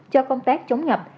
cho công tác chống ngập